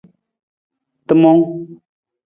Timung.